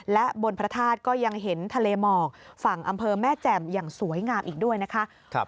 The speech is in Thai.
และบนพระธาตุก็ยังเห็นทะเลหมอกฝั่งอำเภอแม่แจ่มอย่างสวยงามอีกด้วยนะคะ